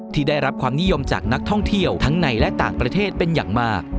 ที่ได้รับความนิยมจากนักท่องเที่ยวทั้งในและต่างประเทศเป็นอย่างมาก